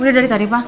udah dari tadi pak